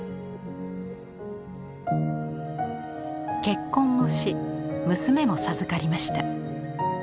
結婚もし娘も授かりました。